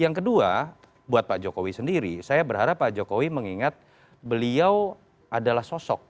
yang kedua buat pak jokowi sendiri saya berharap pak jokowi mengingat beliau adalah sosok